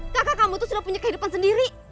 kakak kamu tuh sudah punya kehidupan sendiri